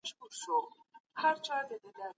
ايا منل مهم دي؟